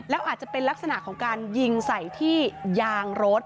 แล้วอาจจะเป็นลักษณะของการยิงใส่ที่ยางรถ